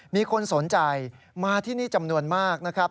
มีคนสนใจมาที่นี่จำนวนมากนะครับ